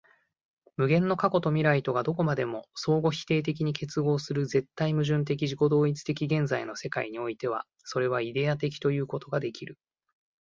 無限の過去と未来とがどこまでも相互否定的に結合する絶対矛盾的自己同一的現在の世界においては、それはイデヤ的ということができる。